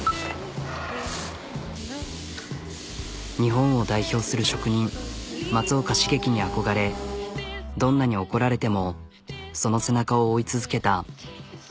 日本を代表する職人松岡茂樹に憧れどんなに怒られてもその背中を追い続けた。